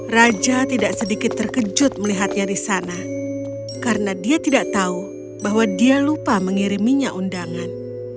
raja tidak sedikit terkejut melihatnya di sana karena dia tidak tahu bahwa dia lupa mengiriminya undangan